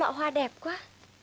cô có lọ hoa đẹp quá